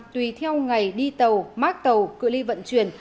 tùy theo ngày đi tàu mát tàu cư ly vận chuyển